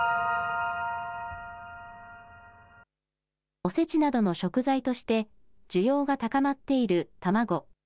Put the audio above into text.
おせちなどの食材として需要が高まっている卵。